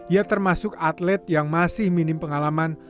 ia termasuk atlet yang masih minim pengalaman